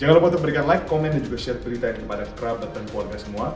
jangan lupa berikan like komen dan juga share berita ini kepada krab batang keluarga semua